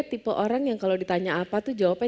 tipe orang yang kalau ditanya apa tuh jawabannya